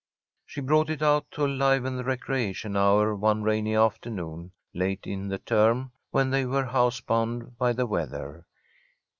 She brought it out to liven the recreation hour one rainy afternoon, late in the term, when they were house bound by the weather.